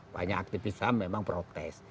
banyak aktivisam memang protes